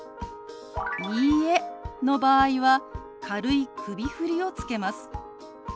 「いいえ」の場合は軽い首振りをつけます。